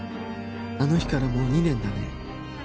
あの日からもう２年だね